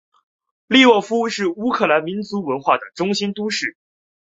利沃夫是乌克兰民族文化的中心都市。